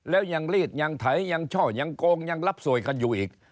แล้วยังรีดยังไถยังช่อยังโกงยังรับสวยกันอยู่อีก